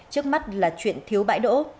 trước mắt là chuyện thiếu bãi đỗ